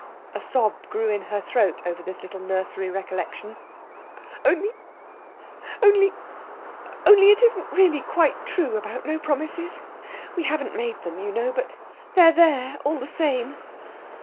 A sob grew in her throat over this little nursery recollection. "Only only only it isn't really quite true about no promises. We haven't made them, you know, but they're there all the same."